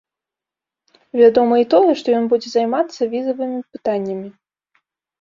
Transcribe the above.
Вядома і тое, што ён будзе займацца візавымі пытаннямі.